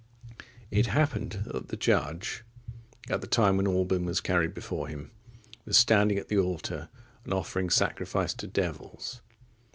It happened that the judge, at the time when Alban was carried before him, was standing at the altar, and offering sacrifice to devils.